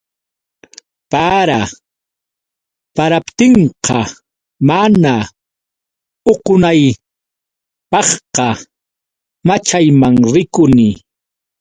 Para paraptinqa, mana uqunaypaqqa, maćhayman rikuni.